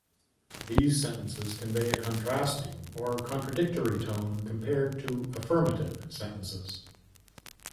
These sentences convey a contrasting or contradictory tone compared to affirmative sentences.